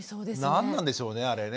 何なんでしょうねあれね。